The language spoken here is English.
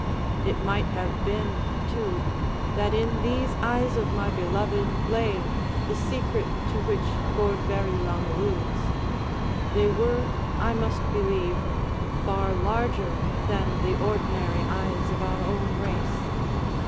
It might have been, too, that in these eyes of my beloved lay the secret to which Lord Verulam alludes. They were, I must believe, far larger than the ordinary eyes of our own race.